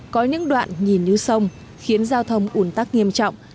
có những đoạn nhìn như sông khiến giao thông ủn tắc nghiêm trọng